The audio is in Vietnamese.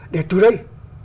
để từ đây